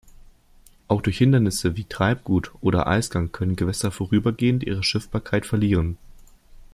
Auch durch Hindernisse wie Treibgut oder Eisgang können Gewässer vorübergehend ihre Schiffbarkeit verlieren.